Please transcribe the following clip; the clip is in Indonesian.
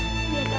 bukanya biasa aja